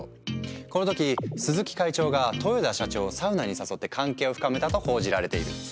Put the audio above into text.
この時鈴木会長が豊田社長をサウナに誘って関係を深めたと報じられている。